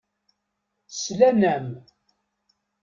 Slan-am.